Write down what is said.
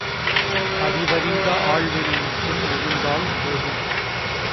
அறிவறிந்த ஆள்வினை மட்டும் இருந்தால் போதும்!